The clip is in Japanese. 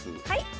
はい。